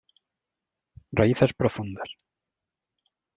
Raíces profundas.